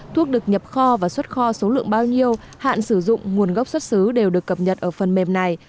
thuốc được nhập kho và xuất kho số lượng bao nhiêu hạn sử dụng nguồn gốc xuất xứ đều được cập nhật ở phần mềm này